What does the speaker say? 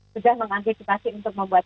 sudah mengantisipasi untuk membuat